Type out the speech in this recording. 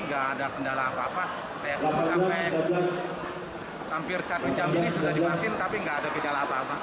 jadi gak ada kendala apa apa kayak mau sampai hampir satu jam ini sudah divaksin tapi gak ada kendala apa apa